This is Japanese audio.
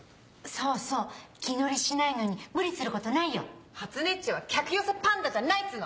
そうそう気乗りしないのに無理することないよ。はつねっちは客寄せパンダじゃないっつうの！